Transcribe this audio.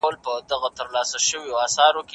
فرید